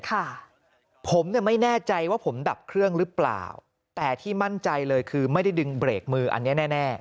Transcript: ค่ะผมเนี่ยไม่แน่ใจว่าผมดับเครื่องหรือเปล่าแต่ที่มั่นใจเลยคือไม่ได้ดึงเบรกมืออันเนี้ยแน่แน่